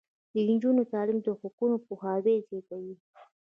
د نجونو تعلیم د حقونو پوهاوی زیاتوي.